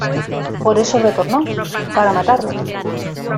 Por eso retornó; para matarlo.